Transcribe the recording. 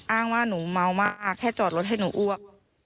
อ้างว่าหนูเมามากแค่จอดรถให้หนูอ้วก